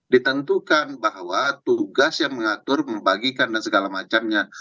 ditentukan bahwa tugas yang mengatur membagikan dan segala macamnya